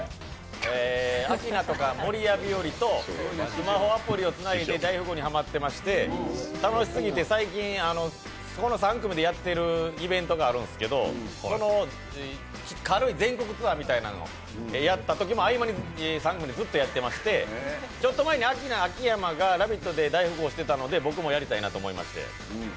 アキナとか守谷日和とスマホアプリをつないで大富豪にはまってまして、楽しすぎて最近、この３組とやっているのがありましてこの軽い全国ツアーやったときも軽い合間にふとやったりして、ちょっと前にアキナ秋山が「ラヴィット！」で大富豪してたんで僕もやりたいなと思って。